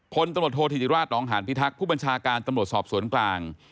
พลตำรวจโทษธิติราชนองหานพิทักษ์ผู้บัญชาการตำรวจสอบสวนกลาง